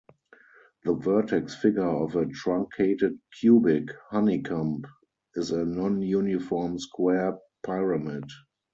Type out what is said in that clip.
The vertex figure of a truncated cubic honeycomb is a nonuniform square pyramid.